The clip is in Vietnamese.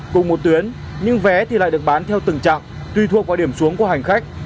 cùng một tuyến những vé thì lại được bán theo từng chặng tuy thuộc vào điểm xuống của hành khách